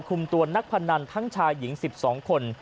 คุมตัวนักพนันทั้งชายหญิง๑๒คน